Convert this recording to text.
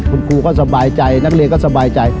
คุณครูก็สบายใจนักเรียนก็สบายใจ